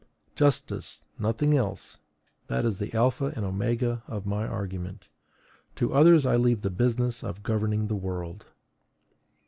Justice, nothing else; that is the alpha and omega of my argument: to others I leave the business of governing the world.